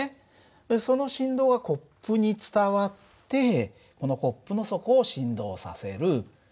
その振動がコップに伝わってこのコップの底を振動させる。